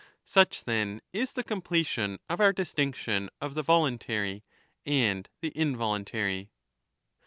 1225" ETHICA EUDEMIA Such, then, is the completion of our distinction of the voluntary and the involuntary.